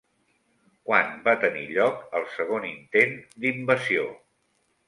Quan va tenir lloc el segon intent d'invasió?